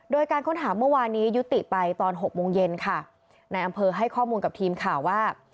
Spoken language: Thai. โดยการค้นหาเมื่อวานนี้ยุติไปตอนหกโมงเย็นค่ะนายอำเภอให้ข้อมูลกับทีมข่าวว่า